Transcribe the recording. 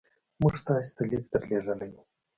موږ تاسي ته لیک درلېږلی وو.